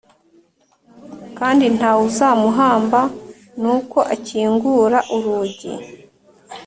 kandi nta wuzamuhamba Nuko akingura urugi